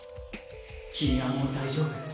君はもう大丈夫。